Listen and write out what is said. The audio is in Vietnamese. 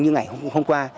ngày hôm qua